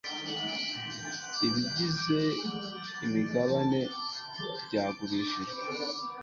ibigize imigabane byagurishijwe